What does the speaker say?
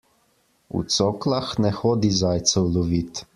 V coklah ne hodi zajcev lovit!